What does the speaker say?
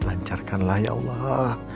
lancarkanlah ya allah